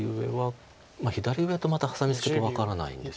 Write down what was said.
左上とまたハサミツケと分からないんですよね。